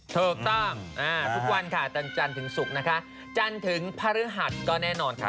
ถูกต้องทุกวันค่ะจันทร์ถึงศุกร์นะคะจันทร์ถึงพฤหัสก็แน่นอนค่ะ